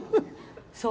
そう。